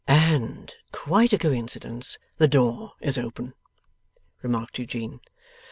'And quite a coincidence the door is open,' remarked Eugene.